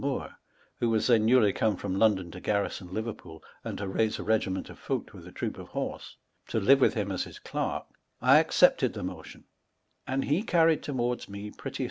Moore,' (whO' was then newly oomo from London to garrison Leverpoole, and to raise a regiment of foote with a troop of liorsc,) to live with hiiu, aa his cicarke ; I accepted the motion, and he carried towards me prettie.